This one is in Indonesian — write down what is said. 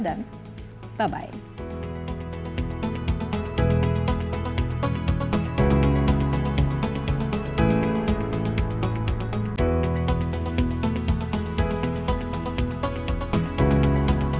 oke terima kasih